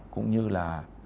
cũng như là